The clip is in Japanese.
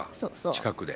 近くで。